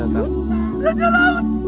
raja laut ah